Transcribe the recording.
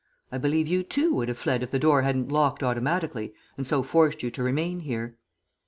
I believe you too would have fled if the door hadn't locked automatically, and so forced you to remain here."